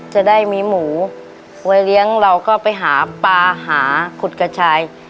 จะได้มีหมูไว้เลี้ยงเราก็ไปหาปลาหาขุดกระชาย